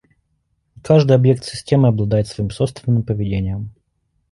Каждый объект системы обладает своим собственным поведением